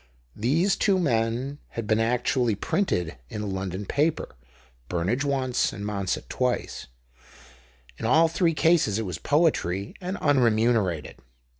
These two men had been actually printed in a London paper — Burnage once, and Monsett twice. In all three cases it was poetry, and unre munerated.